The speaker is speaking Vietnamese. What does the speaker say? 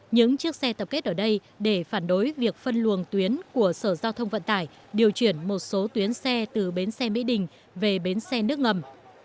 những chiếc xe tập kết ở đây để phản đối việc phân luồng tuyến của sở giao thông vận tải điều chuyển một số tuyến xe từ bến xe mỹ đình về bến xe nước ngầm